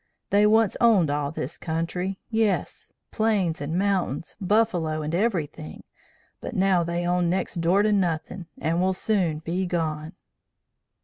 They once owned all this country, yes, Plains and Mountains, buffalo and everything, but now they own next door to nuthin, and will soon be gone.'